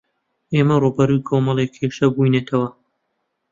ئێمە ڕووبەڕووی کۆمەڵێک کێشە بووینەتەوە.